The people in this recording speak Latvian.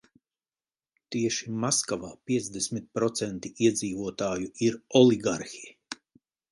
Tieši Maskavā piecdesmit procenti iedzīvotāju ir oligarhi.